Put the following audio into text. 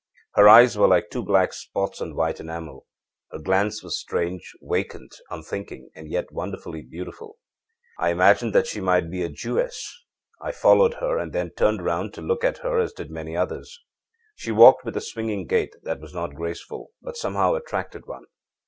Her eyes were like two black spots on white enamel. Her glance was strange, vacant, unthinking, and yet wonderfully beautiful. âI imagined that she might be a Jewess. I followed her, and then turned round to look at her, as did many others. She walked with a swinging gait that was not graceful, but somehow attracted one.